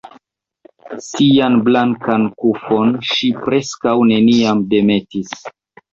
Sian blankan kufon ŝi preskaŭ neniam demetis.